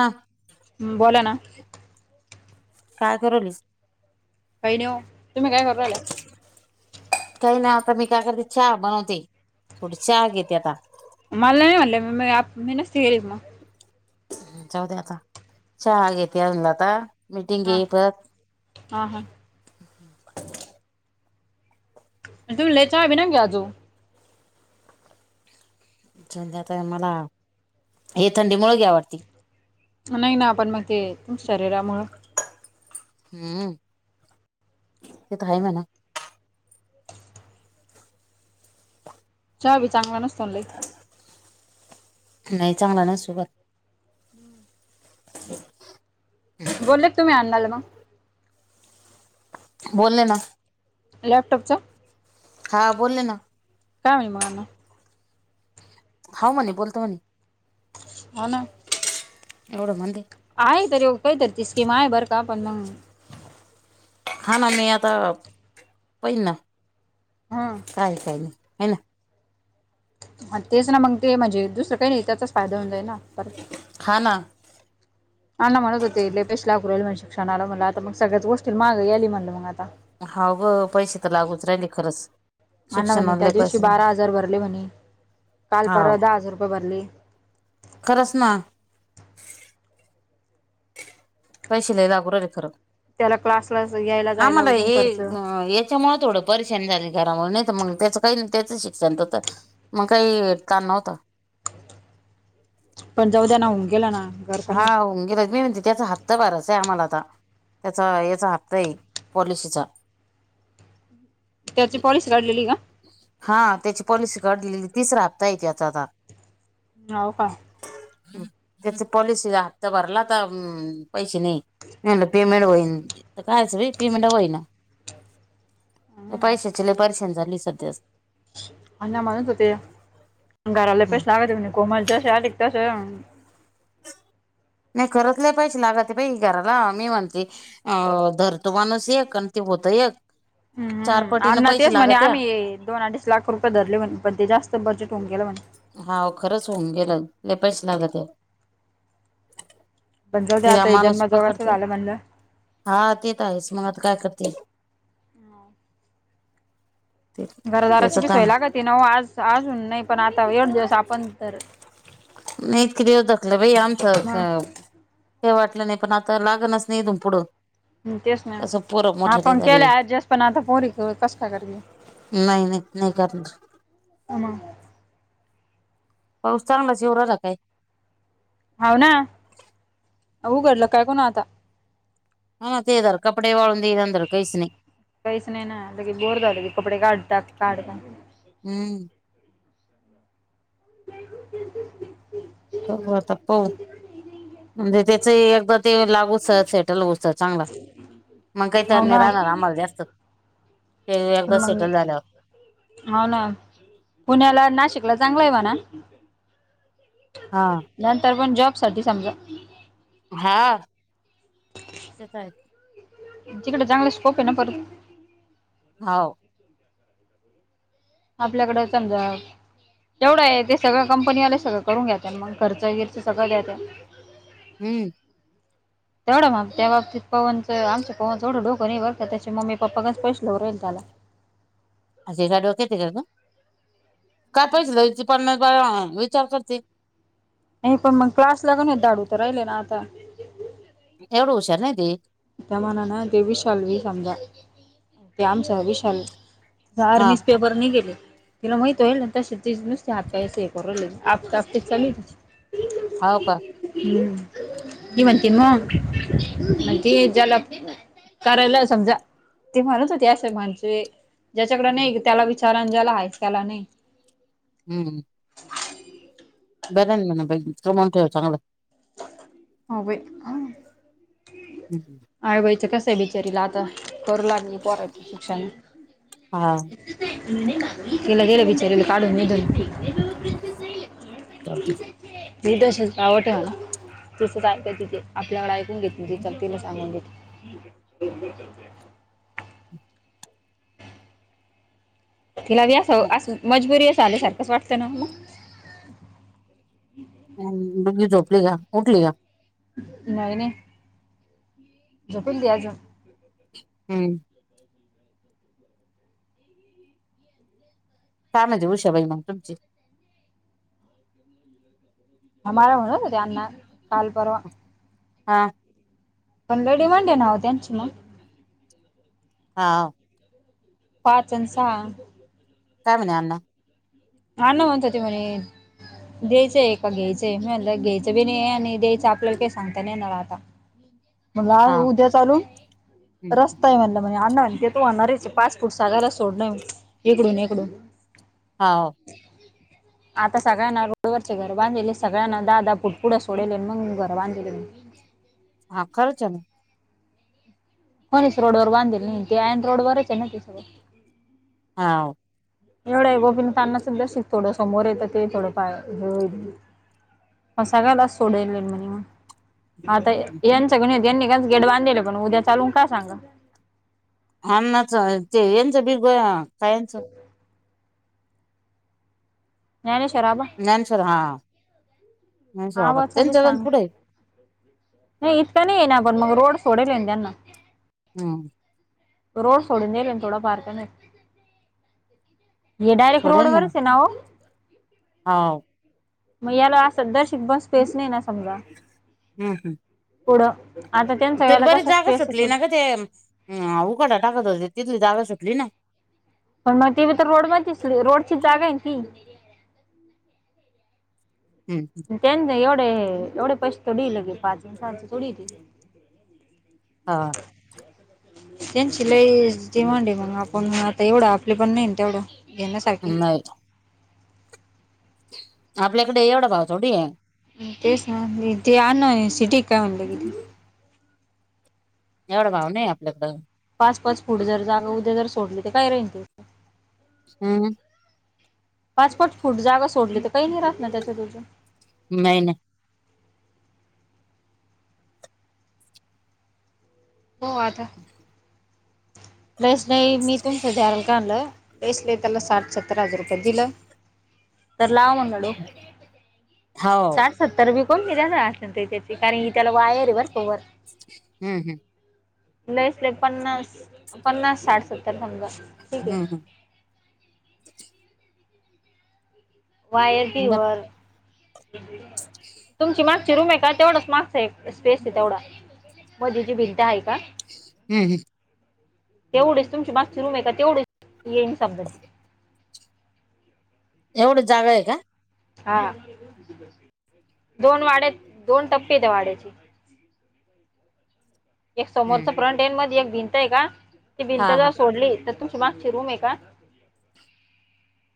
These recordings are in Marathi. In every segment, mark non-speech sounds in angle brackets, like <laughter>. हा <unintelligible> हम बोला ना. काय करू राहिलीस? काही नही ओ, तुम्ही काय करू राहिल्या? काही नहीं, आता मी काय करते, चहा बनवते, थोडी चहा घेते आता. मला नाही म्हणल्या, मी-म आप, मी नसती गेली का मग? चौद्या आता चहा घेते अजूनला आता मीटिंग हा घे परत. हा हा, आणि तुम्हीलेचा ना ग्या अजो. संध्याकाळ मला हे थंडी मुळ घ्यावडती. नाही ना आपण मग ते शरीरामुळे. हम्म ते तर हई म्हना. चहा चांगला नसतो लय. नाही चांगला नसूग. हम्म. ह <inaudible> बोललेत तुम्ही आणणाला मग. बोलले ना. लॅपटॉपचा. हां बोले ना. काय मही मग अण्णा. होव म्हणे बोलतो म्हणे. हो ना, एवढं म्हणले. आहे तर काहीत तची स्कीम आहे बरं का पण मग. खाना म आता पहि ना हां काय काही नाही आहे ना. ह तेच ना मग ते म्हणजे दुसरं काही नाही त्याचाच फायदा होऊ जाई ना तर. हा ना. अना म्हणत होते लाय पैसे लागून राल मग शिक्षणाला म्हणलं आता मग सगळ्याच गोष्टी मागे आली म्हटलं मग आता. हा गं पैसे तर लागूच राहिले खरंच. अणा म्हणे शिक्षणाला त्या लय दिवशी पैसे लागू बारा हजार भरले म्हणे काल पर दहा हजार रुपये भरले. खरच ना. पैसे लागून राहिली खरं. त्याला क्लासला यायला जायला उजून खर्च. त्याच्यामुळे थोडं परेशानी झाली घरामुळे नाही तर मग त्याचं काही नाही त्याचं शिक्ण. मग काही काम नव्हत. पण जाऊद्याना होऊन गेला ना. घर का नाही हांगी रजमी म्हती त्याचा हात. ह्त करायचं आहे आम्हाला आता त्याचा याचा हप्ता आहे पॉलिसीचा. त्याची पॉलिसी काढलेली का. हा त्याची पॉलिसी काढलेली तिसरा ह्ता येते त्याचा आता. होव का. त्याची पॉलिसी हप्ता भरला आता. पैसे नाही म्हलं पेमेंट होई. हम्म पैशाची लय पारशान झाली सध्याच. अण्णा म्हणत होते घराला पेश लागत म्ह कोमल जसे आक तसे. नई खरंच लई पैसे लागते बाई घराला मी म्हणते. अ धरतो माणूस एक आणि ते होतं एक चार. हम्म पटीनं अण्णा पैसे तेच म्हणे लागत्या आम्ही दोन अडीच लाख रुपये धरले म्हणे पण ते जास्त बजेट होऊन गेलं म्हणे. हा खरंच होऊन गेलं लई पैसे लागतेत. पण जाऊ दे ते आता हे माणुस जन्मजोगाचं पकडते झालं म्हणलं हा ते तर हायेच मग आता काय करते. ते त्याच घरदाराची बी काम सोय लागती ना ओ. आज अजून नई पण आता एवढे दिवस आपण तर नई... इतके दिवस धकलं बाई मग आमचं काई वाटलं नाई, पण आता लागनच ना इथून पुढं हं तेच ना... असं पोरं मोठाले आपण झाले केलं ऍडजस्ट.... पण आता पोरी, कसं काय करतील नई... नई... नई करणार. मग पाऊस चांगलाच येऊ राहिला काय? हाव ना... उघडलं का काय, कौनं आता? हा ना... ते धर कपडे वाळून द्यायना... धर काईच नई काहीच नाई ना... लगेच बोर झालं की, कपडे काढ टाक, काढ टाक हुं <inaudible> बघू, आता पाहू. म्हणजे त्याचंही एकदा ते लागूस्तवर... सेटल होऊस्तवर चांगला... मग काई हाव ताण नाई ना राहणार आम्हाला जास्त ते एकदा मग सेटल झाल्या वर हाव ना.. पुण्याला नाशिकला चांगले म्हणा. हा नंतर पण, जॉबसाठी समजा हा... ते तर <unintelligible> तिकडे चांगला स्कोप आहे ना परत. हाव आपल्याकडं समजा जेवढं ए... ते सगळं कंपनीवाले, सगळं करून घेत्याल... मग खर्च बिर्च सगळं देत्याल हुं तेवढं मग... त्या बाबतीत, पवनचं... आमच्या पवनचं येवढं डोकं नई बरं का... त्याचे मम्मी पप्पा कसं, पैशे देवू राहले त्याला <unintelligible> का गं? काहायला पैशे द्यायचे, पन्नास वेळा... विचार करते नाई पण मग... क्लासला का नई, धाडू तर राहिले ना आता एवढं हुशार नाई ते त्या मानानं... ते विशाल बी समजा... ते आमचं विशाल हा आर्मीचं पेपर निघेल ए तिला माहित होईल ना... तसे ती नुसतीच हात पाय शिकू राहले, आपटा आपटीच... चालू ए तिची हाऊ का? हम्म. ती म्हणती मग ते ज्याला.... करायला समजा... ती म्हणत होती असे <unintelligible> ज्याच्याकडे नई याला विचारा.. अन ज्याला हाई त्याला नई हम्म बरंए ना म्हणे... <unintelligible> तो म्हणतोय चांगलं ए हाऊ बाई... हा हुं आई बाईचं, कसं ए बिचारीला आता, करू लागली पोरांची शिक्षणं हा तिला गेलं बिचारीला... काढून इधून <unintelligible> ती तशी <unintelligible> ए म्हणा तिसच ऐका तिथे आपल्याकडं ऐकून घेत म ति तिला सांगून घेते तिला बी अस, अस मजबुरी अस आली सारखंच वाटतं ना ओ मग हम्म मग मी झोपलीया उठली का नाही, नाही झोपील ती अजून हम्म <unintelligible> <unintelligible> काय म्हणते उषाबाई मग तुमची हा मला म्हणतं होते अण्णा काल परवा हा पण लई डिमांड आहे ना वो त्यांची मग हाव पाच अण सहा काय म्हणे अण्णा अण्णा म्हणत होते म्हणे द्यायचं आहे का घ्यायचंय मी म्हणलं घ्यायचं बी नाही आणि द्यायचं आपल्याला काही सांगता नाही येणार आता म्हटलं आज हा उद्या चालू रस्ता आहे म्हणलं म्हणजे अण्णा म्हणतेत तू होणारच पाच फूट सगायला सोडणार इकडून, इकडून हाव <unintelligible> आता सगळ्यांना रोडवरचे घर बांधलेले सगळ्यांना दाह, दाह पुुट पुढं सोडले आणि मग घर बांधले म हा खरच आह ना होणीच रोड वर बांधेल नाही ऐन रोड वरच आहे ना ते सगळं हाव एवढं आहे गोपीन <unintelligible> थोडं समोर येतं ते थोडं फा हे होईल म सगळ्यालाच सोडेल म्हणे मग आता यांचं गण हो यांनी का गेट बांधलेलं म्हण उद्या चालूून काय सांगा अण्णाचं ते हेच बी बया काय हेचं ज्ञानेश्वर आबा ज्ञानेश्वर हा ज्ञानेश्वर आबा आबाचं बी त्यांच्या अजून सांग पुढे आहे नाही इतक्या नाही ये ना मग रोड सोडेल त्यांना हम रोड सोडून दिले थोडा फार का नाही ये डायरेक्ट रोड वरच आहे ना वो हाव मग याला असं दहशीत बस स्पेस नाही समजा हम्, हम् पुढं आता त्यांचा तर यायला बरीच कसा जागा स्पेस आहे सुटली थोड ना का ते उकाटा टाकत होते तिथली जागा सुटली ना पण मग ती तर रोड मसली रोडची जागा आहे ना ती हम त्यांनी एवढे, एवढे पैसे दिले की पाच सहा थोडी आहे ती हा <unintelligible> त्यांची लई जे डिमांड आहे म आपण आता एवढं आपले पण नाही ना तेवढं घेण्यासारखी नाही आपल्याकडे एवढा भाव थोडी आहे. तेच ना ते अणु आई सिटी काय म्हणती एवढा भाव नाही आपल्याकडं, पाच पाच फूट जर जागा उद्या जर सोडली तर काय राहिलं ते. <unintelligible> पाच पाच फूट जागा सोडली तर काही नाही राहत ना त्याच्यातुन नाही हो आता ह ड्रेस नाही मी इथून सध्या एक आणलं, ड्रेसले त्याला साठ सत्तर हजार रुपये दिलं तर लाव म्हटलं डोक हाव ते काय देणार असतील तर, कारण कि त्याला वायर आहे बर का वर हम्म लईस लै पन्नास, पन्नास साठ सत्तर समजा ठीक आहे हम्म वायर ती हम्म बर वर तुमची मागची रूम आहे का, तेवढाच मागे एक स्पेस आहे तेवढा मध्ये जी भिंत आहे का. हम्म तेवढेच तुमची मागची रूम आहे का तेवढीच येन समजाची एवढीच जागा आहे का हा, दोन वाड्या आहेत दोन टप्पे आहेत त्या वाड्याचे. एक हम्म समोरच फ्रंट एंड मध्ये एक भिंत आहे का ती हा भिंत हा जर सोडली तर ती मागची रूम आहे का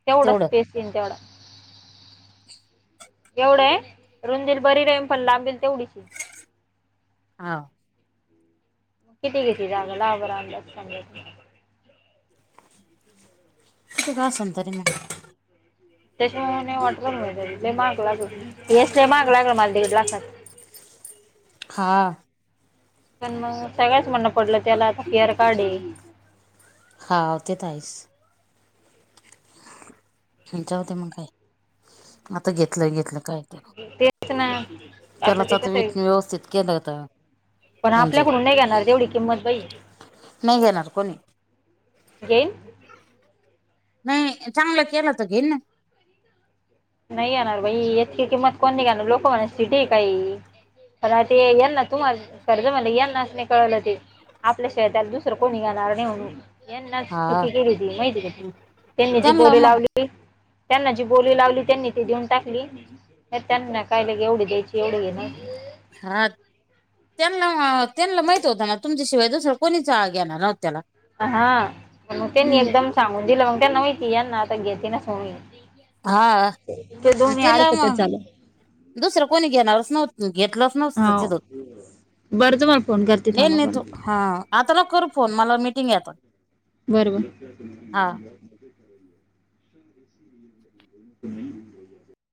तेवढाच तेवढं स्पेस येईल तेवढा. एवढं आहे रुंदीला बरी राहिल, पण लांबीला तेवढीच हां किती घेतली जागा लावा बरं अंदाज सांगा कुठे असेल तरी मग त्याच्यामुळे वाटला मला लय महाग लागू राहिला हेच मागे लागलाय मला दीड लाखाला हां पण मग सगळ्याच म्हणणं पडलं त्याला आता फिअर काडी हाव ते तर आहेच. क जाऊ दे मग काय आता घेतला घेतला काय तेच ना त्यालाच ते आता कसं वेतली आहे व्यवस्थित केलं होत पण आपल्याकडून नाही घेणार तेवढी किंमत बाई नाही घेणार कोणी <unintelligible> नाही चांगलं केलं तर घेईन ना नाही घेणार बाई इतकी किंमत कोण नाही घेणार लोक म्हणाल सिटी आहे का हे ते यांना तुम्हाला कळल, मला यांना अस नाही कळलं ते आपल्याशिवाय त्याला दुसरा कोणी घेणार नाही म्हणून. यांनाच हा चुकी केली ती माहिती का त्यांनी जी त्यांना बोरी मग लावली त्यांना जी बोली लागली त्यांनी ती देऊन टाकली तर त्यांना काय एवढी द्यायची एवढी नाही. हा. त्यांना माहीत होतं का तुमच्या शिवाय दुसरा कोणीच घेणार नाही त्याला. हा त्यांनी हम्म एकदमच सांगून दिला मग त्यांना माहीत होतं हे घेतील म्हणून. हा ते दोन्ही अडखतं चाल. दुसरा कोणी तिथे घेणारच नव्हता घेतलं नसतं हो तिथं. बरं तुम्हाला फोन करते थांबा येईल पण तो ह आता नको करू फोन मला मिटींग हे आता. बरं बरं. हा.